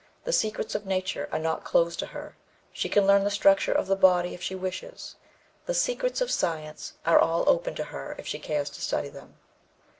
The secrets of nature are not closed to her; she can learn the structure of the body if she wishes. The secrets of science are all open to her if she cares to study them.